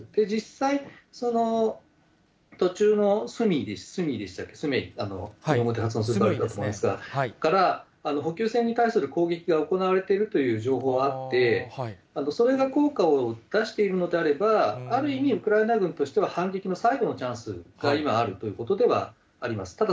実際、途中のスムイから補給船に対する攻撃が行われているという情報はあって、それが効果を出しているのであれば、ある意味、ウクライナ軍としては反撃の最後のチャンスが今、あるということではあります。